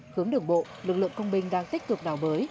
hướng đường bộ lực lượng công binh đang tích cực đào bới